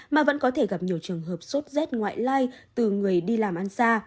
mà vẫn có thể gặp nhiều trường hợp sốt rét ngoại lai từ người đi làm ăn xa